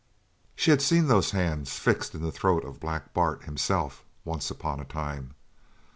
She had seen those hands fixed in the throat of Black Bart himself, once upon a time.